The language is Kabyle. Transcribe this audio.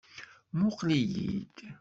Muqqel-iyi-d.